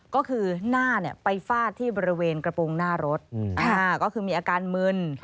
ก็คือหน้าไปฟาดที่บริเวณกระโปรงหน้ารถก็คือมีอาการมึน